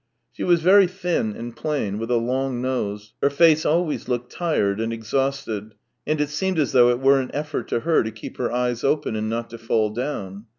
She was very thin and plain, with a long nose; her face always looked tired, and exhausted, and THREE YEARS 231 it seemed as though it were an effort to her to keep her eyes open, and not to fall down.